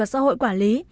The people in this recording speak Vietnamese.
và sở hội quản lý